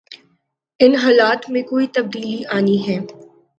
ان حالات میں کوئی تبدیلی آنی ہے۔